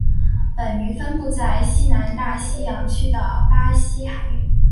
本鱼分布于西南大西洋区的巴西海域。